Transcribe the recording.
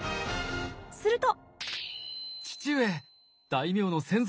すると。